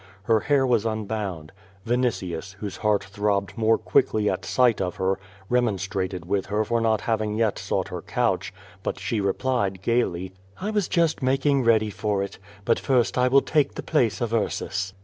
Her hair was un bound. Vinitius, whose heart throbbed more quickly at sight of her, remonstrated with her for not having yet sought her couch. But she replied gaily: "I was just making ready for it. But first I will take the place of Ursus.'